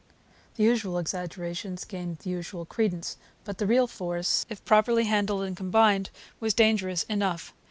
The usual exaggerations gained the usual credence. But the real force, if properly handled and combined, was dangerous enough.